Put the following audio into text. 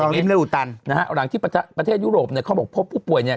อ่าถูกต้องริ่มเลือดอุตตันนะฮะหลังที่ประเทศยุโรปเนี่ยเขาบอกพวกผู้ป่วยเนี่ย